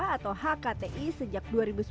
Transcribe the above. atau hkti sejak dua ribu sepuluh